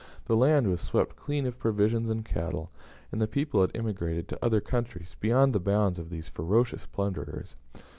The land was swept clean of provisions and cattle, and the people had emigrated to other countries, beyond the bounds of those ferocious plunderers.